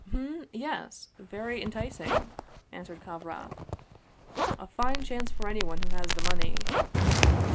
" Hm yes ! very enticing," answered Kovroff. " A fine chance for anyone who has the money."